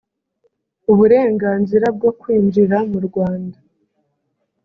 uburenganzira bwo kwinjira mu rwanda.